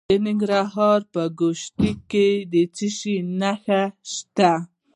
د ننګرهار په ګوشته کې څه شی شته؟